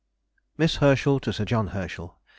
MISS HERSCHEL TO SIR JOHN HERSCHEL.